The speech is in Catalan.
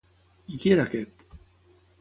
I qui era aquest?